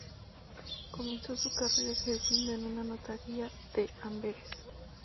Comenzó su carrera ejerciendo en una notaría de Amberes.